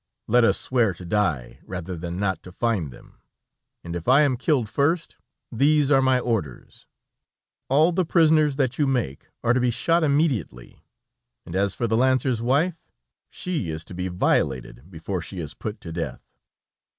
Let us swear to die, rather than not to find them, and if I am killed first, these are my orders: all the prisoners that you make are to be shot immediately, and as for the lancer's wife, she is to be violated before she is put to death."